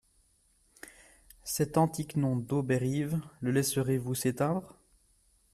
Cet antique nom d'Auberive, le laisserez-vous s'éteindre ?